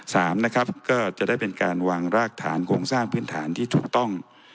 สามนะครับก็จะได้เป็นการวางรากฐานโครงสร้างพื้นฐานที่ถูกต้อง